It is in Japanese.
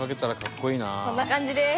こんな感じです。